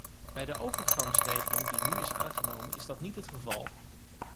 Bij de overgangsregeling die nu is aangenomen, is dat niet het geval.